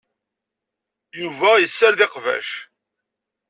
Yuba yessared iqbac.